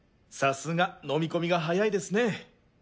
さすが飲み込みが早いですね。